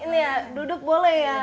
ini ya duduk boleh ya